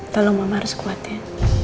tolong mama harus kuat ya